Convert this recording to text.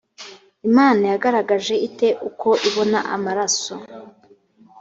imana yagaragaje ite uko ibona amaraso